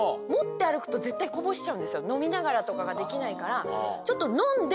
飲みながらとかができないから。